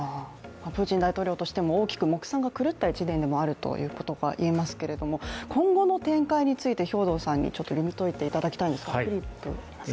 プーチン大統領としても大きく目算が狂った１年であると言えますけれども今後の展開について読み解いていただきたいと思います。